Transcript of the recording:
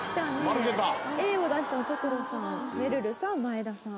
Ａを出したのが所さんめるるさん前田さん。